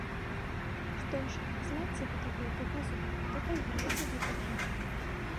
Што ж, зладзьце вы такую паказуху да пайграйце гэтак жа.